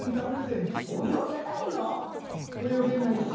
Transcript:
泳げないし。